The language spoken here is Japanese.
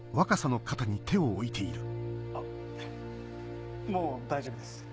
あっもう大丈夫です。